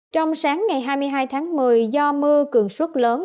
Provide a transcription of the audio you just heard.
trong sáng ngày hai mươi hai tháng một mươi do mưa cường suất lớn